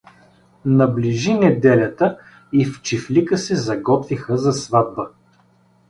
Наближи неделята и в чифлика се заготвиха за сватба.